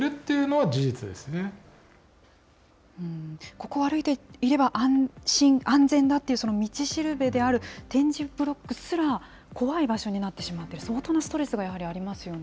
ここを歩いていれば安心、安全だっていう道しるべである点字ブロックすら、怖い場所になってしまうって、相当ストレスがありますよね。